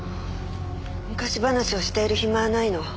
昔話をしている暇はないの。